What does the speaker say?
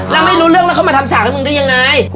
แล้วไม่รู้เรื่องแล้วเขามาทำฉากให้มึงได้ยังไง